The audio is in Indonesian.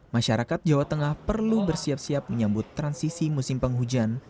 masyarakat jawa tengah perlu bersiap siap menyambut transisi musim penghujan